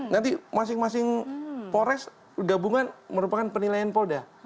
nanti masing masing polres gabungan merupakan penilaian polda